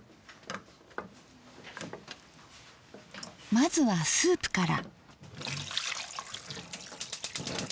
まずはスープから。